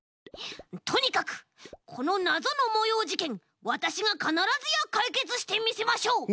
とにかくこのなぞのもようじけんわたしがかならずやかいけつしてみせましょう！